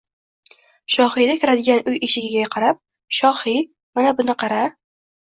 Shohida kiradigan uy eshigiga qarab “Shohi, mana buningni qara